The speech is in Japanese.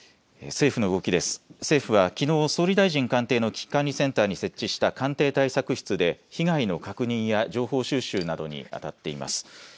政府はきのう総理大臣官邸の危機管理センターに設置した官邸対策室で被害の確認や情報収集などにあたっています。